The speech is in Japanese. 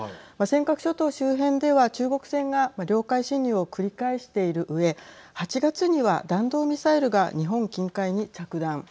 尖閣諸島周辺では中国船が領海侵入を繰り返しているうえ８月には弾道ミサイルが日本近海に着弾。